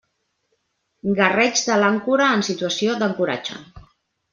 Garreig de l'àncora en situació d'ancoratge.